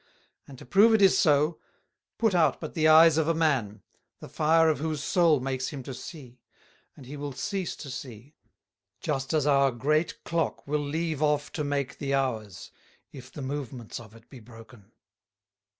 And to prove it is so, put out but the Eyes of a Man, the Fire of whose Soul makes him to see, and he will cease to see; just as our great Clock will leave off to make the Hours, if the Movements of it be broken.